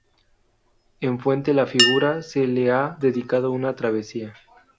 En Fuente la Figuera se le ha dedicado una Travesía.